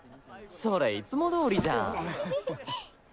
それいつも通りじゃん。